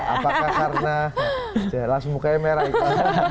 apakah karena jelas mukanya merah itu